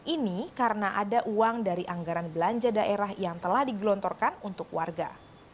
ini karena ada uang dari anggaran belanja daerah yang telah digelontorkan untuk warga